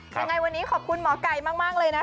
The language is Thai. ยังไงวันนี้ขอบคุณหมอไก่มากเลยนะคะ